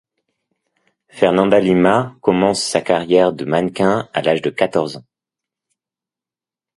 Fernanda Lima commence sa carrière de mannequin à l'âge de quatorze ans.